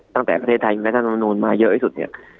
ตั้งแต่ประเทศไทยมีรัฐมนุนมาเยอะที่สุด